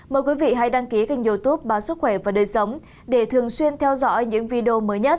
mời quý vị hãy đăng ký kênh youtube báo sức khỏe và đời sống để thường xuyên theo dõi những video mới nhất